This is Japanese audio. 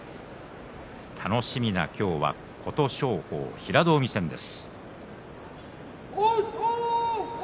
楽しみな今日の琴勝峰、平戸海戦です。